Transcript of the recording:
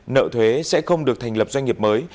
nợ thuế sẽ không được thành lập doanh nghiệp mới